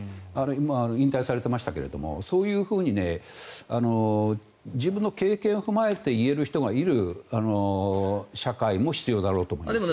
今、引退されてましたがそういうふうに自分の経験を踏まえて言える人がいる社会も必要だろうと思います。